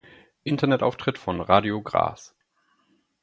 Internetauftritt von Radio Graz